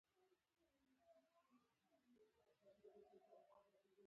څوک چې له پیل څخه په ښه خوی مطبوع شي.